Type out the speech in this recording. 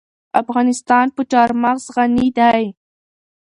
افغانستان په چار مغز غني دی.